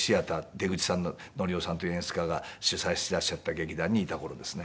出口典雄さんという演出家が主宰してらっしゃった劇団にいた頃ですね。